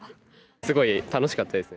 すごい楽しかったですね。